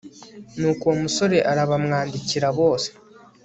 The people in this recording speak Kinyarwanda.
nuko uwo musore arabamwandikira bose